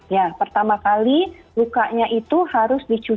ya pertama kali lukanya itu harus dicuci